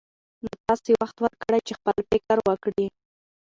نو تاسې وخت ورکړئ چې خپل فکر وکړي.